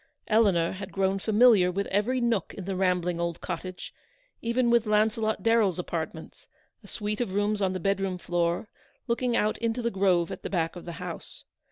Eleanor had grown familiar with every nook in the rambling old cottage ; even with Launcelot Darreli's apartments, a suite of rooms on the bed room floor, looking out into the grove at the back of the house.